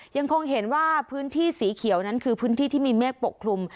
ยังคงเห็นว่าพื้นที่สีเขียวนั้นคือพื้นที่ที่มีเมฆปกคลุม